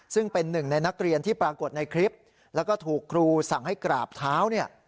ซึ่งเป็นหนึ่งในนักเรียนที่ปรากฏในคลิปแล้วก็ถูกครูสั่งให้กราบเท้าเนี่ย